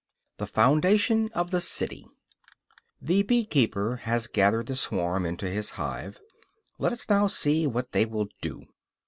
III THE FOUNDATION OF THE CITY The bee keeper has gathered the swarm into his hive; let us now see what they will do.